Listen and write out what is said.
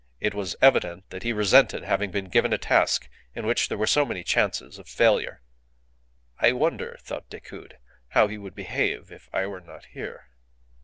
It was evident that he resented having been given a task in which there were so many chances of failure. "I wonder," thought Decoud, "how he would behave if I were not here."